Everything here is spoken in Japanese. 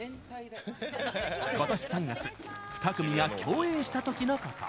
ことし３月二組が共演したときのこと。